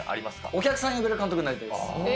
お客さん呼べる監督になりたいです。